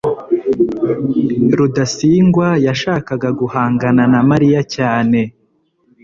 rudasingwa yashakaga guhangana na mariya cyane